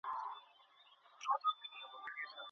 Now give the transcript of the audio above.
لکه د تللي مساپر په حافظه کې د شهۍ د روستۍ اوښکې ځلا